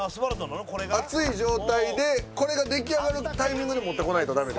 熱い状態でこれが出来上がるタイミングで持ってこないとダメ？